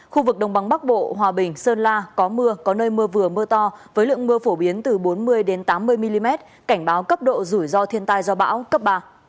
khu vực đông bắc bộ hòa bình sơn la có mưa có nơi mưa vừa mưa to với lượng mưa phổ biến từ bốn mươi tám mươi mm cảnh báo cấp độ rủi ro thiên tai do bão cấp ba